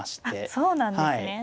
あっそうなんですね。